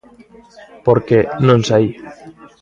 Porque, non sei.